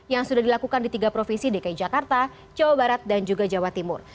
yang sudah dilakukan di tiga provinsi dki jakarta jawa barat dan juga jawa timur